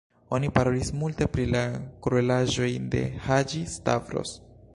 Oni parolis multe pri la kruelaĵoj de Haĝi-Stavros.